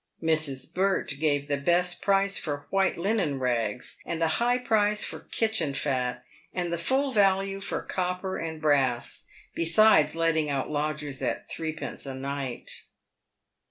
(Mrs. Burt gave the best price for white linen rags, and a high price for kitchen fat, and the full value for* copper and brass, besides letting out lodgings at threepence a night.)